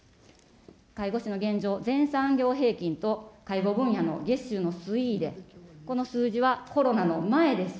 介護士の現状、全産業平均と介護分野の月収の推移で、この数字はコロナの前です。